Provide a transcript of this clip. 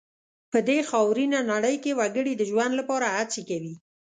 په دې خاورینه نړۍ کې وګړي د ژوند لپاره هڅې کوي.